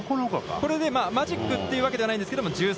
これでマジックというわけではないんですけれども、１３